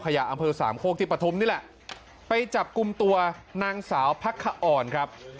อำเภอสามโคกที่ปฐุมนี่แหละไปจับกลุ่มตัวนางสาวพักขอ่อนครับ